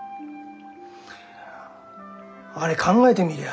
あれ考えてみりゃ